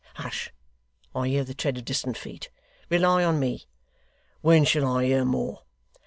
Hush! I hear the tread of distant feet. Rely on me.' 'When shall I hear more?